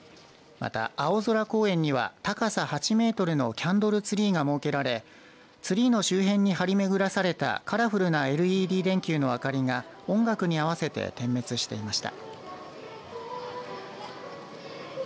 また、青空公園には高さ８メートルのキャンドルツリーが設けられツリーの周辺に張り巡らされたカラフルなＬＥＤ電球の明かりが音楽に合わせて点滅していました。